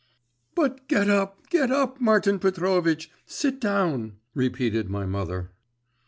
'But get up, get up, Martin Petrovitch, sit down,' repeated my mother.